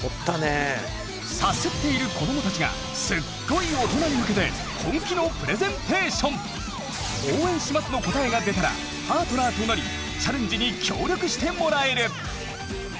サスっている子どもたちがすっごいおとなに向けて「応援します！」の答えが出たらパートナーとなりチャレンジに協力してもらえる。